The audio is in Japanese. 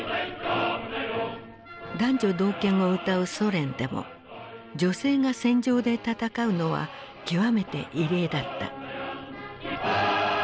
男女同権をうたうソ連でも女性が戦場で戦うのは極めて異例だった。